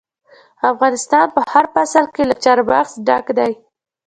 افغانستان په هر فصل کې له چار مغز ډک دی.